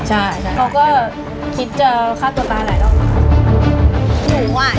ใช่ใช่เขาก็คิดจะไซ่ตัวตาหลายรอบบ้าน